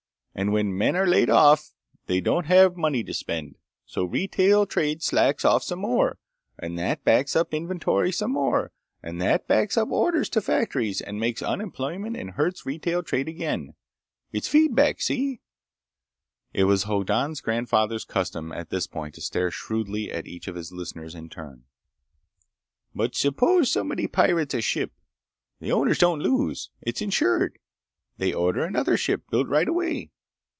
And when men are laid off they don't have money to spend, so retail trade slacks off some more, and that backs up inventories some more, and that backs up orders to factories and makes unemployment and hurts retail trade again. It's a feed back. See?" It was Hoddan's grandfather's custom, at this point, to stare shrewdly at each of his listeners in turn. "But suppose somebody pirates a ship? The owners don't lose. It's insured. They order another ship built right away.